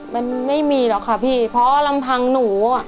มันไม่มีหรอกค่ะพี่เพราะว่าลำพังหนูอ่ะ